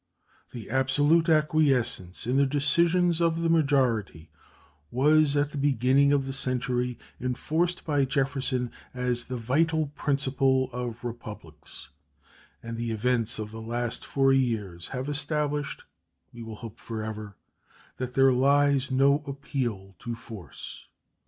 The "absolute acquiescence in the decisions of the majority" was at the beginning of the century enforced by Jefferson as "the vital principle of republics;" and the events of the last four years have established, we will hope forever, that there lies no appeal to force.